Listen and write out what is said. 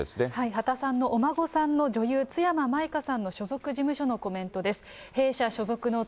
畑さんのお孫さんの女優、津山舞花さんの所属事務所のコメントです。